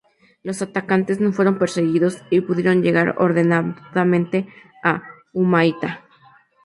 Los atacantes no fueron perseguidos y pudieron llegar ordenadamente a Humaitá.